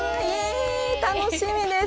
楽しみです。